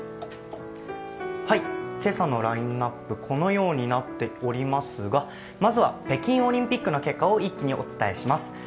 今朝のラインナップ、このようになっておりますが、まずは北京オリンピックの結果を一気にお伝えします。